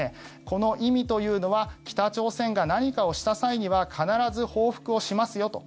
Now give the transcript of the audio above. この意味というのは北朝鮮が何かをした際には必ず報復をしますよと。